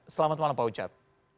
selamat malam pak ujad